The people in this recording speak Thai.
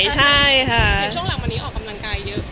ช่วงหลังวันนี้ออกกำลังกายเยอะ